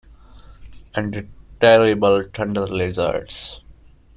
And The Terrible Thunderlizards.